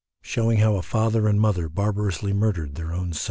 Showing how a Father and Mother barbarously Murdered their own Son.